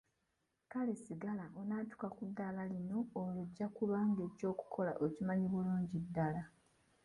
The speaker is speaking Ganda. Kale singa onaatuuka ku ddaala lino olwo ojja kuba ng'ekyokukola okimanyi bulungi ddala.